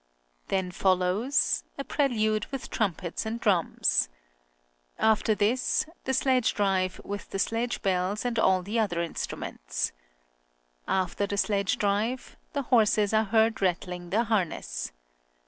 Then follows: A prelude, with trumpets and drums. After this: The Sledge Drive, with the sledge bells and all the other instruments. After the Sledge Drive: The horses are heard rattling their harness.